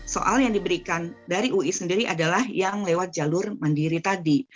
soal yang diberikan dari ui sendiri adalah yang lewat jalur mandiri tadi